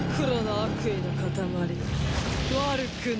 悪くない。